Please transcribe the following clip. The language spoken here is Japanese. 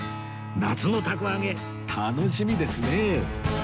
夏の凧揚げ楽しみですね